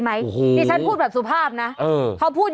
เฮ้ยมื้อขายแล้วที่แปลกเรือนนะฮะเธอ่ะ